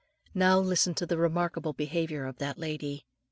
Now listen to the remarkable behaviour of that lady.